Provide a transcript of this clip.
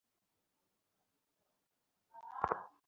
তাছাড়া আমরা প্রথমে বিয়ে রেজিস্ট্রি করেছিলাম।